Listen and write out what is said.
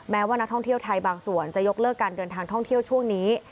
ว่านักท่องเที่ยวไทยบางส่วนจะยกเลิกการเดินทางท่องเที่ยวช่วงนี้